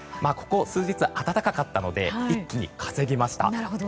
ここ数日暖かかったので一気に稼ぎました。